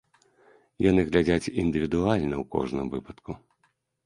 Яны глядзяць індывідуальна ў кожным выпадку.